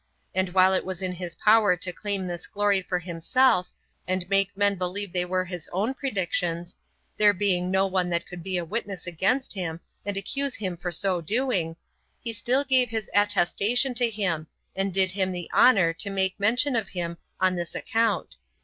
And while it was in his power to claim this glory to himself, and make men believe they were his own predictions, there being no one that could be a witness against him, and accuse him for so doing, he still gave his attestation to him, and did him the honor to make mention of him on this account.